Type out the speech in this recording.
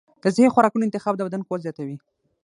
د صحي خوراکونو انتخاب د بدن قوت زیاتوي.